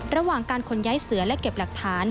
ระหว่างการขนย้ายเสือและเก็บหลักฐาน